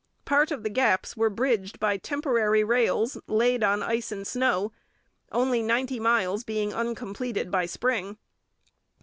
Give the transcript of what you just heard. Part of the gaps were bridged by temporary rails laid on ice and snow, only ninety miles being uncompleted by spring.